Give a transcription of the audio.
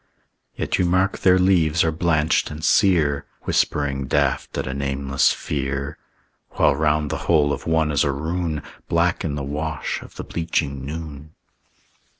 Yet you mark their leaves are blanched and sear, Whispering daft at a nameless fear. While round the hole of one is a rune, Black in the wash of the bleaching noon.